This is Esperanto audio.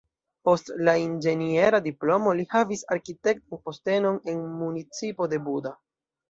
Post la inĝeniera diplomo li havis arkitektan postenon en municipo de Buda.